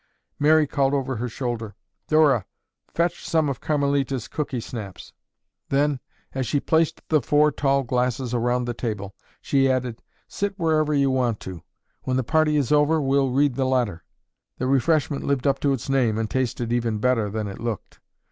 Mary called over her shoulder, "Dora, fetch some of Carmelita's cookie snaps." Then, as she placed the four tall glasses around the table, she added, "Sit wherever you want to. When the party is over, we'll read the letter." The refreshment lived up to its name and tasted even better than it looked.